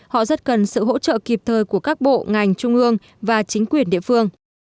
họ rất cần sự hỗ trợ kịp thời của các bộ ngành trung ương và chính quyền địa phương